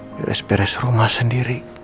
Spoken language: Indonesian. beres beres rumah sendiri